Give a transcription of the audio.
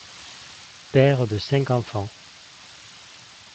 Père de cinq enfants.